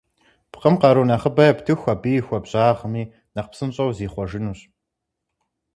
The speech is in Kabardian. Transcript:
Пкъым къару нэхъыбэ ептыху, абы и хуабжьагъми нэхъ псынщӏэу зихъуэжынущ.